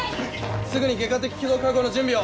すぐに外科的気道確保の準備を。